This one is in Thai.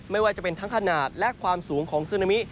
ไม่ว่าจะเป็นทั้งขนาดและความสูงของซึนามิ